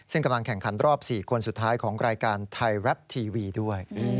ซึ่งกำลังแข่งขันรอบ๔คนสุดท้ายของรายการไทยรัฐทีวีด้วย